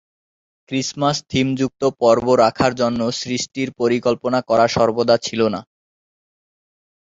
ক্রিসমাস-থিমযুক্ত পর্ব রাখার জন্য সিরিজটির পরিকল্পনা করা সর্বদা ছিল না।